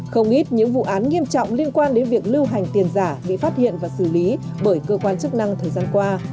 không ít những vụ án nghiêm trọng liên quan đến việc lưu hành tiền giả bị phát hiện và xử lý bởi cơ quan chức năng thời gian qua